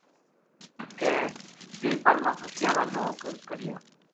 کے ویہ پل ما پھسیا وا لوک کَڈہیا